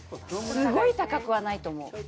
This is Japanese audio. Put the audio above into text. すごい高くはないと思う。